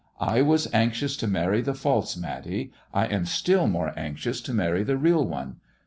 I was anxious to marry the false Matty, I jn still more anxious to marry the real one.